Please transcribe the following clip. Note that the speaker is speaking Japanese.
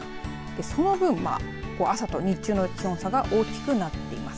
その分まあ朝と日中の気温差が大きくなっています。